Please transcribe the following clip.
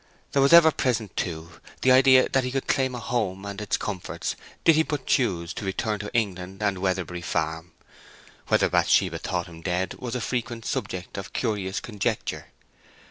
There was ever present, too, the idea that he could claim a home and its comforts did he but chose to return to England and Weatherbury Farm. Whether Bathsheba thought him dead was a frequent subject of curious conjecture.